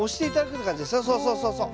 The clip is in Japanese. そうそうそうそうそう。